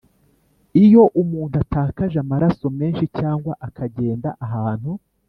Iyo umuntu atakaje amaraso menshi cyangwa akagenda ahantu